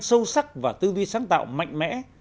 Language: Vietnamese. sâu sắc và tư duy sáng tạo mạnh mẽ